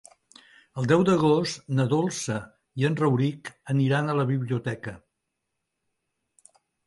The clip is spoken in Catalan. El deu d'agost na Dolça i en Rauric aniran a la biblioteca.